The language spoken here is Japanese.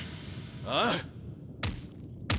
ああ！